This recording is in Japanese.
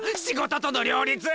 仕事との両立！